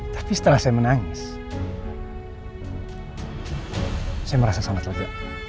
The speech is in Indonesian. tapi setelah saya menangis saya merasa sangat lega